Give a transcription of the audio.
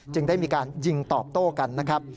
ได้มีการยิงตอบโต้กันนะครับ